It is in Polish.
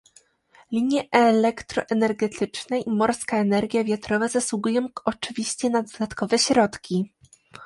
Linie elektroenergetyczne i morska energia wiatrowa zasługują oczywiście na dodatkowe środki